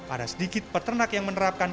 ada sedikit peternak yang menerapkan